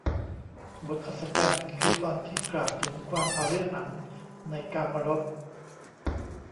บทอัศจรรย์ คือตอนที่กล่าวถึงความหฤหรรษ์ในกามรส